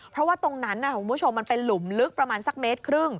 เพราะว่าตรงนั้นมันเป็นหลุมลึกประมาณ๑๕เมตร